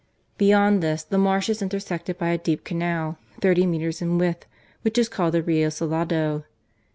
Beyond this, the marsh is intersected by a deep canal, thirty metres in width, which is ^called the Rio Salado.